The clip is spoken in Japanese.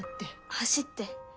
走って。